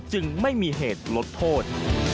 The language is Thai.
จึงไม่มีเหตุลดโทษ